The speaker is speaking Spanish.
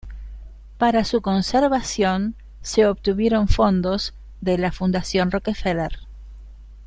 Para su conservación, se obtuvieron fondos de la Fundación Rockefeller.